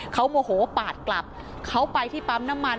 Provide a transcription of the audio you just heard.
เขาโมโหปาดกลับเขาไปที่ปั๊มน้ำมัน